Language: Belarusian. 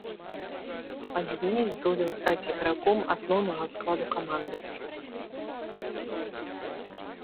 Пазней здолеў стаць іграком асноўнага складу каманды.